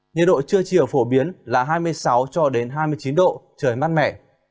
nhiệt độ trưa chiều phổ biến là hai mươi sáu cho đến hai mươi chín độ trời mát mẻ